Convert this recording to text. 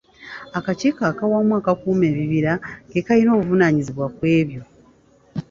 Akakiiko ak'awamu akakuuma Ebibira ke kalina obuvunaanyizibwa ku ebyo.